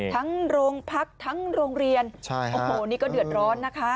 ทั้งโรงพักทั้งโรงเรียนโอ้โหนี่ก็เดือดร้อนนะคะ